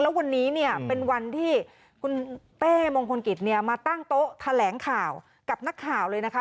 แล้ววันนี้เนี่ยเป็นวันที่คุณเต้มงคลกิจเนี่ยมาตั้งโต๊ะแถลงข่าวกับนักข่าวเลยนะคะ